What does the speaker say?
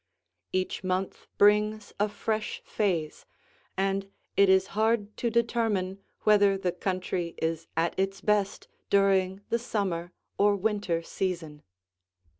Each month brings a fresh phase, and it is hard to determine whether the country is at its best during the summer or winter season.